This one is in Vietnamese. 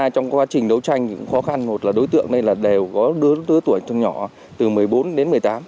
trong quá trình đấu tranh khó khăn một là đối tượng này đều có đứa tuổi trong nhỏ từ một mươi bốn đến một mươi tám